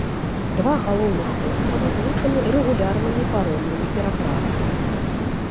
Два галоўных вострава злучаны рэгулярнымі паромнымі пераправамі.